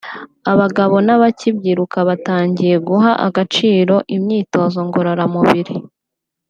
abagabo n’abakibyiruka batangiye guha agaciro imyitozo ngororamubiri